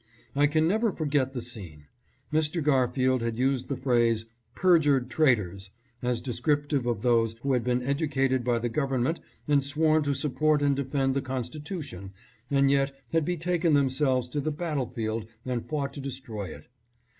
I can never forget the scene. Mr. Garfield had used the phrase " perjured traitors " as descriptive of those who had been educated by the Gov ernment and sworn to support and defend the Constitu tion and yet had betaken themselves to the battlefield and fought to destroy it.